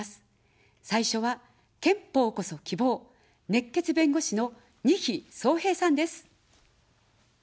最初は、憲法こそ希望、熱血弁護士の、にひそうへいさんです。